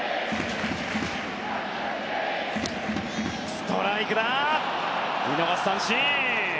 ストライク、見逃し三振。